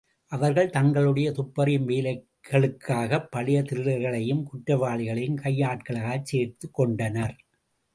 அவர்கள் தங்களுடைய துப்பறியும் வேலைகளுக்காகப் பழைய திருடர்களையும், குற்றவாளிகளையும் கையாட்களாகச் சேர்த்துக் கொண்டனர்.